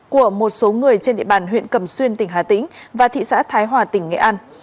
của một số người trên địa bàn huyện cầm xuyên tỉnh hà tĩnh và thị xã thái hòa tỉnh nghệ an